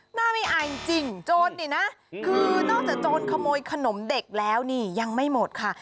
หน้าไม่อายจริงโจรนี่นะคือนอกจากโจรขโมยขนมเด็กแล้วนี่ยังไม่หมดค่ะ